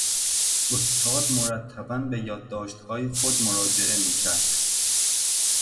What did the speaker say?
استاد مرتبا به یادداشتهای خود مراجعه میکرد.